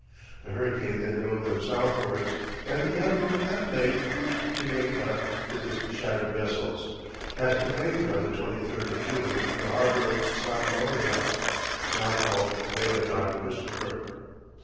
The hurricane then drove them southwards, and the admiral at length reached Jamaica with his shattered vessels, casting anchor on the 23rd of June in the harbour of San Gloria, now called the bay of Don Christopher.